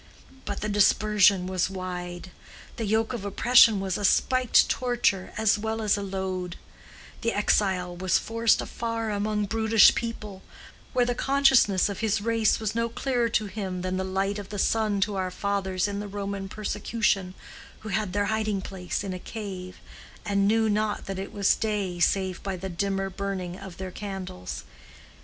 But the dispersion was wide, the yoke of oppression was a spiked torture as well as a load; the exile was forced afar among brutish people, where the consciousness of his race was no clearer to him than the light of the sun to our fathers in the Roman persecution, who had their hiding place in a cave, and knew not that it was day save by the dimmer burning of their candles.